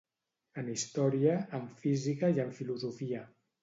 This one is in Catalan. En història, en física i en filosofia.